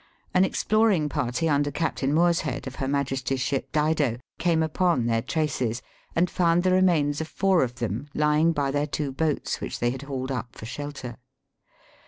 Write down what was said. An exploring party, under Captain Moorshead of her Majesty's ship Dido, came upon their traces, and found the remains of four of them, lying by their two boats which they had hauled up for shelter.